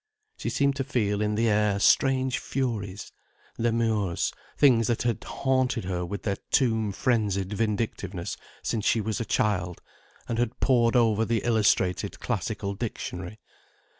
She seemed to feel in the air strange Furies, Lemures, things that had haunted her with their tomb frenzied vindictiveness since she was a child and had pored over the illustrated Classical Dictionary.